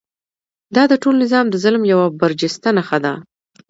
دا د ټول نظام د ظلم یوه برجسته نښه ده.